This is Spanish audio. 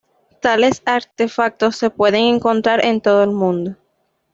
Tales artefactos se pueden encontrar en todo el mundo.